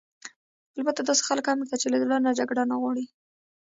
البته داسې خلک هم شته چې له زړه نه جګړه نه غواړي.